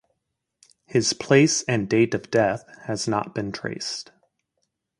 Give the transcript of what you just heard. His place and date of death has not been traced.